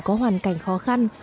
có hoàn cảnh khó khăn